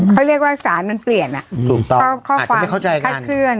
เขาเรียกว่าสารมันเปลี่ยนอ่ะถูกตอบอาจจะไม่เข้าใจกันค่าเชื่อน